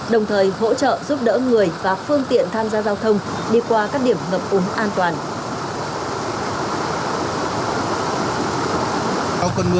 đồng thời hỗ trợ giúp đỡ người và phương tiện tham gia giao thông đi qua các điểm ngập úng an toàn